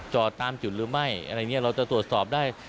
จอดตามจุดหรือไม่อะไรอย่างนี้เราจะตรวจสอบได้